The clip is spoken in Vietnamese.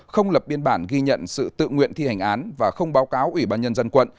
không lập biên bản ghi nhận sự tự nguyện thi hành án và không báo cáo ủy ban nhân dân quận